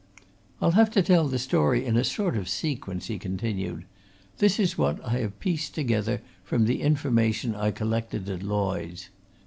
"I'll have to tell the story in a sort of sequence," he continued. "This is what I have pieced together from the information I collected at Lloyds.